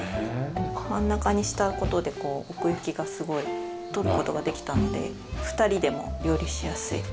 真ん中にした事で奥行きをすごい取る事ができたので２人でも料理しやすい。